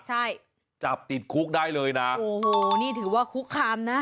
ใช่จับติดคุกได้เลยนะโอ้โหนี่ถือว่าคุกคามนะ